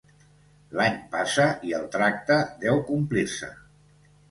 L'any passa i el tracte deu complir-se.